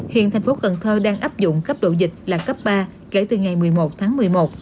hiện thành phố cần thơ đang áp dụng cấp độ dịch là cấp ba kể từ ngày một mươi một tháng một mươi một